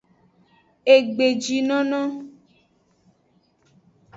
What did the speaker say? Egbejinono.